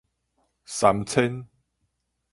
三千